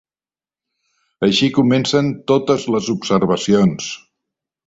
Així comencen totes les observacions.